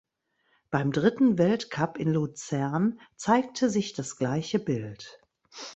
Beim dritten Weltcup in Luzern zeigte sich das gleiche Bild.